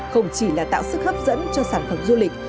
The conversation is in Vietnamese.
không chỉ là tạo sức hấp dẫn cho sản phẩm du lịch